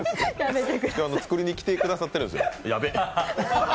今日、作りにきてくださってるんです。